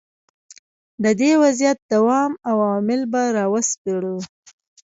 د دې وضعیت دوام او عوامل به را وسپړو.